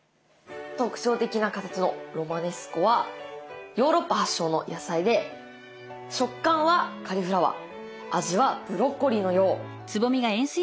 特徴的な形のロマネスコはヨーロッパ発祥の野菜で食感はカリフラワー味はブロッコリーのよう。